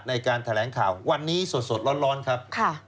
ในการแถลงข่าววันนี้สดร้อนครับ